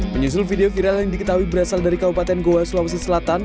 menyusul video viral yang diketahui berasal dari kabupaten goa sulawesi selatan